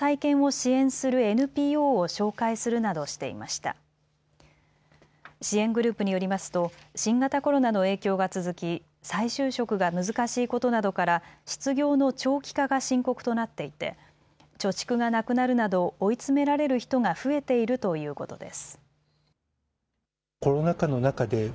支援グループによりますと新型コロナの影響が続き再就職が難しいことなどから失業の長期化が深刻となっていて貯蓄がなくなるなど追い詰められる人が増えているということです。